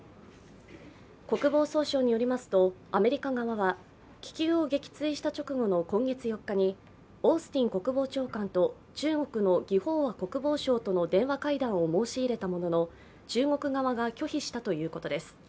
国防総省によりますとアメリカ側は気球を撃墜した直後の今月４日にオースティン国防長官と中国の魏鳳和国防相との電話会談を申し入れたものの、中国側が拒否したということです。